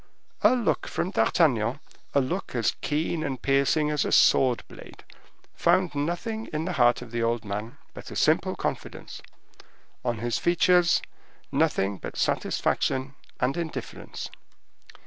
A look from D'Artagnan, a look as keen and piercing as a sword blade, found nothing in the heart of the old man but a simple confidence—on his features, nothing but satisfaction and indifference.